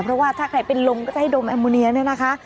เพราะว่าถ้าใครเป็นลมก็จะให้ดมแอมโมเนียเนี่ยนะคะ